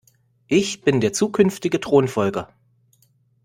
Ich bin der zukünftige Thronfolger.